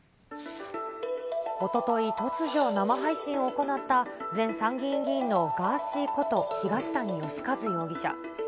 おととい、突如、生配信を行った、前参議院議員のガーシーこと東谷義和容疑者。